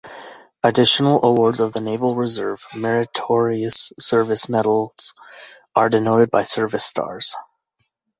Additional awards of the Naval Reserve Meritorious Service Medal are denoted by service stars.